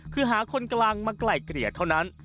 คือหาคนกลางมาไกล่เกลี่ยเท่านั้น